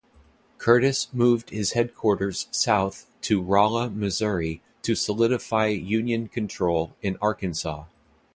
Curtis moved his headquarters south to Rolla, Missouri, to solidify Union control in Arkansas.